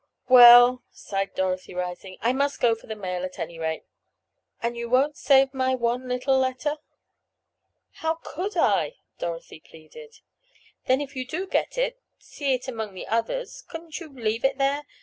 "Well," sighed Dorothy rising, "I must go for the mail at any rate." "And you won't save my one little letter?" "How could I?" Dorothy pleaded. "Then if you do get it—see it among the others—couldn't you leave it there?